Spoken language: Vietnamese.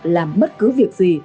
làm bất cứ việc gì